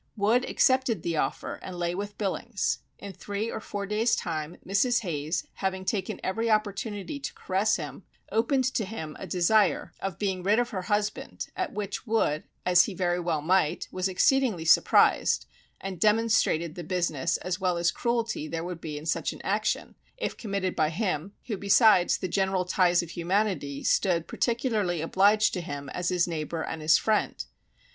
Wood accepted the offer, and lay with Billings. In three or four days' time, Mrs. Hayes having taken every opportunity to caress him, opened to him a desire of being rid of her husband, at which Wood, as he very well might, was exceedingly surprised, and demonstrated the business as well as cruelty there would be in such an action, if committed by him, who besides the general ties of humanity, stood particularly obliged to him as his neighbour and his friend.